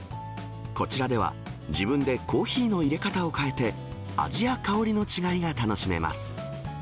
こちらでは、自分でコーヒーのいれ方を変えて、味や香りの違いが楽しめます。